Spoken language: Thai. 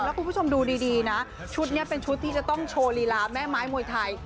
แล้วคุณผู้ชมดูดีนะชุดนี้เป็นชุดที่จะต้องโชว์ลีลาแม่ไม้มวยไทย